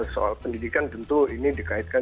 soal pendidikan tentu ini dikaitkan